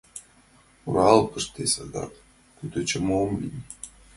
— Руал пыште — садак кӱтӱчӧ ом лий!